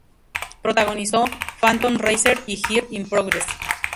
Protagonizó "Phantom Racer" "y Girl in Progress".